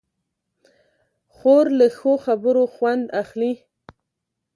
خور له ښو خبرو خوند اخلي.